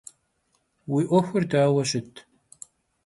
Vui 'uexur daue şıt?